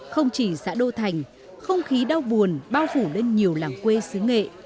không chỉ xã đô thành không khí đau buồn bao phủ lên nhiều làng quê xứ nghệ